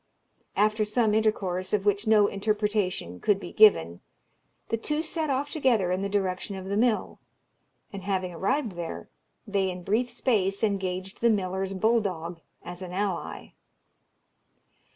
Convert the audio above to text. After some intercourse, of which no interpretation could be given, the two set off together in the direction of the mill; and having arrived there, they in brief space engaged the miller's bull dog as an ally.